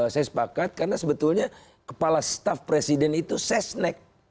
saya sepakat karena sebetulnya kepala staf presiden itu sesnek